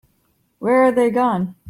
Where are they gone?